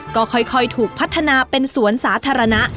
ก็ค่อยถูกพัฒนาเป็นสวนสาธารณะ